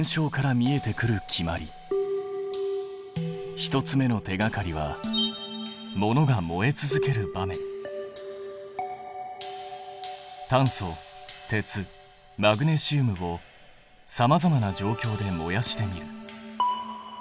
１つ目の手がかりは炭素鉄マグネシウムをさまざまな状況で燃やしてみる。